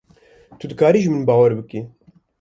Tu dikarî ji min bawer bikî.